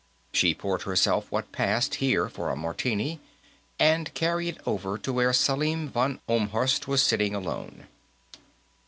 She poured herself what passed, here, for a martini, and carried it over to where Selim von Ohlmhorst was sitting alone.